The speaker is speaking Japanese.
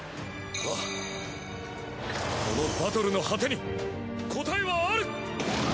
あぁこのバトルの果てに答えはある！